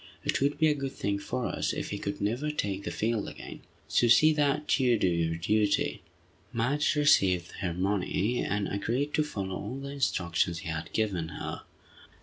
It would be a good thing for us if he could never take the field again. So see that you do your duty!" Madge received her money, and agreed to follow all the instructions he had given her.